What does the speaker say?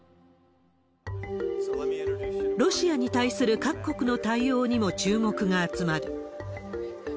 ロシアに対する各国の対応にも注目が集まる。